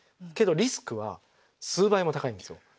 けどリスクは数倍も高いんですよ。